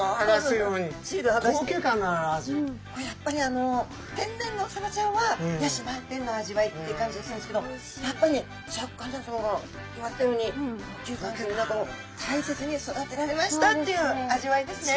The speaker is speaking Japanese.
やっぱり天然のサバちゃんは野趣満点の味わいって感じがするんですけどやっぱりシャーク香音さまが言われたように高級感何かもう大切に育てられましたっていう味わいですね。